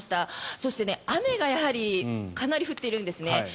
そして雨がやはりかなり降っているんですね。